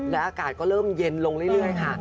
และอากาศก็เริ่มเย็นลงเรื่อยค่ะ